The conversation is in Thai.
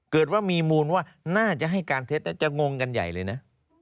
เกิดว่ามีมูลว่าน่าจะให้การเท็จจะงงกันใหญ่เลยนะ